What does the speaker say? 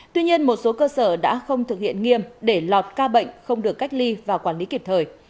tuy nhiên một số cơ sở đã không thực hiện nghiêm để lọt ca bệnh không được cách ly và quản lý kịp thời